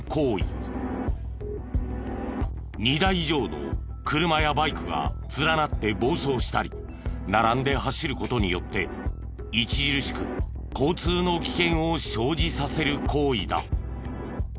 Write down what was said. ２台以上の車やバイクが連なって暴走したり並んで走る事によって著しく交通の危険を生じさせる行為だ。